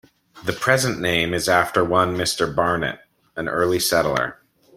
The present name is after one Mr. Barnet, an early settler.